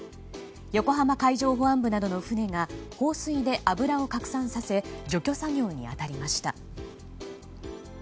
横浜海上保安部などの船が放水で油を拡散させ除去作業に当たりました。